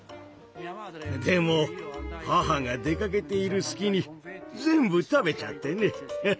でも母が出かけている隙に全部食べちゃってね。